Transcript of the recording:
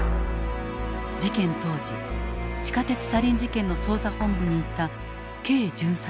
事件当時地下鉄サリン事件の捜査本部にいたＫ巡査長。